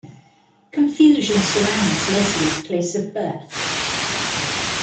Confusion surrounds Leslie's place of birth.